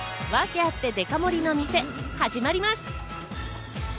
ワケあってデカ盛りの店、始まります！